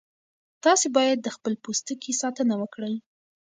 تاسي باید د خپل پوستکي ساتنه وکړئ.